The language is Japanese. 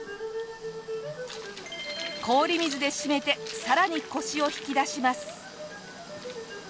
氷水で締めてさらにコシを引き出します。